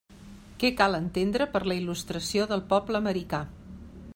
Què cal entendre per la il·lustració del poble americà.